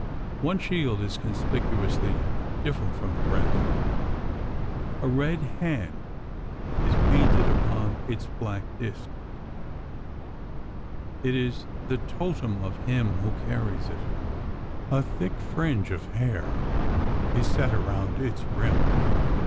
One shield is conspicuously different from the rest. A red hand is painted upon its black disc. It is the totem of him who carries it. A thick fringe of hair is set around its rim.